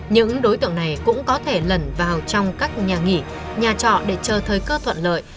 những đối tượng này cũng có thể lẩn vào trong các nhà nghỉ nhà trọ để chờ thời cơ thuận lợi